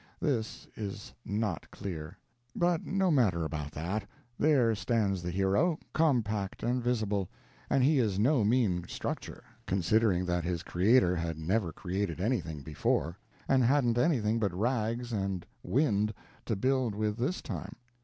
This is not clear. But no matter about that: there stands the hero, compact and visible; and he is no mean structure, considering that his creator had never created anything before, and hadn't anything but rags and wind to build with this time.